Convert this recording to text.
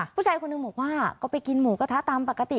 ผู้ชายคนหนึ่งบอกว่าก็ไปกินหมูกระทะตามปกติ